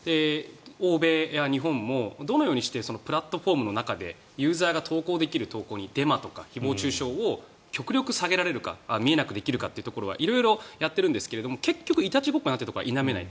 欧米や日本もどのようにしてプラットフォームの中でユーザーが投稿できる投稿にデマとか誹謗・中傷を極力下げられるか見えなくできるかっていうところは色々やっているんですがいたちごっこになっているのは否めない。